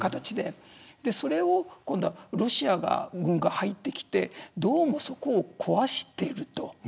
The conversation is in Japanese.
それを今度はロシア軍が入ってきてどうも、そこを壊していると。